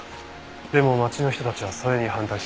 でも町の人たちはそれに反対してる。